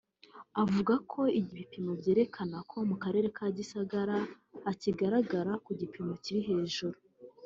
avuga ko ibipimo byerekana ko mu karere ka Gisagara bakihagaragara ku gipimo kiri hejuru